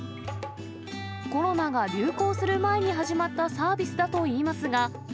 コロナが流行する前に始まったサービスだといいますが。